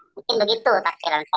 mungkin begitu takdiran saya